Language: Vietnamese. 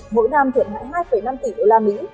mỗi năm thuận hại hai năm tỷ đô la mỹ